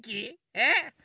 えっ？